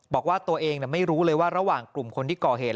บอกว่าตัวเองไม่รู้เลยว่าระหว่างกลุ่มคนที่ก่อเหตุ